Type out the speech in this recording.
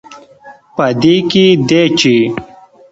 په دې کې دی، چې